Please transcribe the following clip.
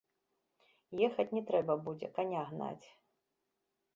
Ехаць не трэба будзе, каня гнаць.